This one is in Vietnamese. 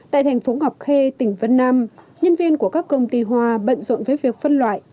tại thành phố ngọc khê tỉnh vân nam nhân viên của các công ty hoa bận rộn với việc phân loại